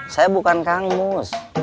saya bukan kang mus